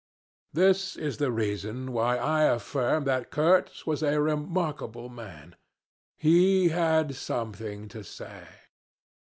This is the reason why I affirm that Kurtz was a remarkable man. He had something to say.